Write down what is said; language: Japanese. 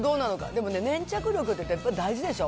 でもね、粘着力ってやっぱり大事でしょ。